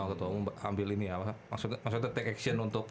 oh ketua umum ambil ini ya maksudnya take action untuk